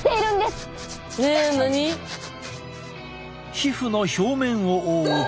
皮膚の表面を覆う角層。